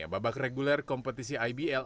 babak reguler kompetisi ibl